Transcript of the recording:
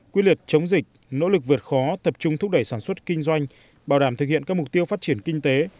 quyết liệt chống dịch nỗ lực vượt khó tập trung thúc đẩy sản xuất kinh doanh bảo đảm thực hiện các mục tiêu phát triển kinh tế